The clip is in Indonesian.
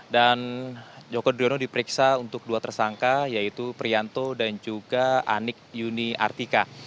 dan joko driono diperiksa untuk dua tersangka yaitu prianto dan juga anik yuni artika